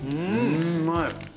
うまい！